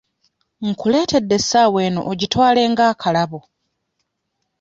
Nkuleetedde essaawa eno ogitwale nga akalabo.